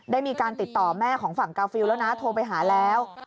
ได้มีการติดต่อแม่ของฝั่งกาฟิลแล้วนะโทรไปหาแล้ว